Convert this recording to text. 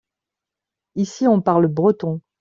ici on parle breton.